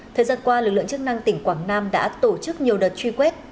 thời gian qua lực lượng chức năng tỉnh quảng nam đã tổ chức nhiều đợt truy quét